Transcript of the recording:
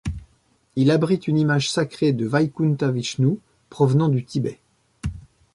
Il abrite une image sacrée de Vaikuntha-Vishnou provenant du Tibet.